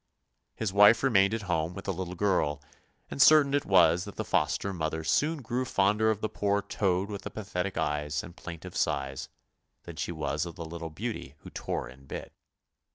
His wife remained at home with the little girl, and certain it was that the foster mother soon grew fonder of the poor toad with the pathetic eyes, and plaintive sighs, than she was of the little beauty who tore and bit.